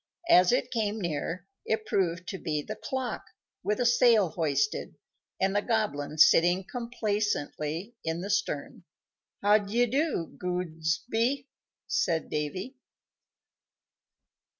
As it came near, it proved to be the clock, with a sail hoisted, and the Goblin sitting complacently in the stern. "How d'ye do, Gobsy?" said Davy.